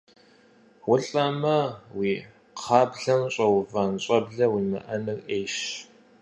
УлӀэмэ, уи кхъаблэм щӀэувэн щӀэблэ уимыӀэныр Ӏейщ.